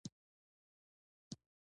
یو لوی پیری په وریځ کې را ښکاره شو.